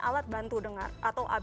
alat bantu dengar atau